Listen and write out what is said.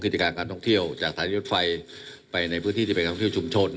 กิจการการท่องเที่ยวจากสถานีรถไฟไปในพื้นที่ที่เป็นการท่องเที่ยวชุมชน